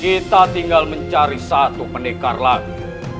kita tinggal mencari satu pendekar lagi